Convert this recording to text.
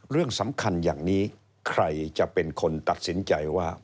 เรื่องสำคัญอย่างนี้ใครจะเป็นคนตัดสินใจว่า